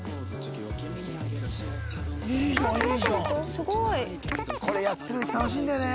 すごい！これやってる時楽しいんだよね。